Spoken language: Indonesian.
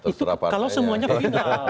itu kalau semuanya final